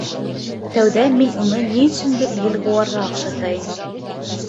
Тәүҙә мин уны, ни өсөндөр, елғыуарға оҡшата инем.